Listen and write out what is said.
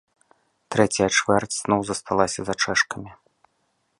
Трэцяя чвэрць зноў засталася за чэшкамі.